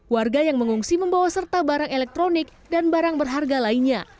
warga yang mengungsi membawa serta barang elektronik dan barang berharga lainnya